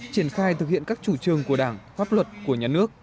triển khai thực hiện các chủ trương của đảng pháp luật của nhà nước